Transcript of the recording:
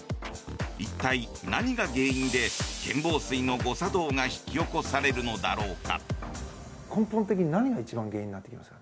一体、何が原因で腱紡錘の誤作動が引き起こされるのだろうか。